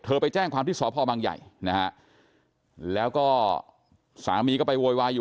ไปแจ้งความที่สพบังใหญ่นะฮะแล้วก็สามีก็ไปโวยวายอยู่